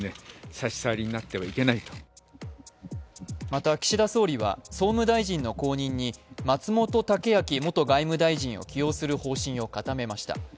また、岸田総理は総務大臣の後任に松本剛明元外務大臣を起用する方針を固めました。